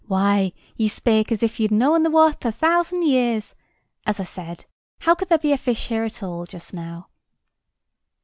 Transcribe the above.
Why, ye spake as if ye'd known the wather a thousand years! As I said, how could there be a fish here at all, just now?"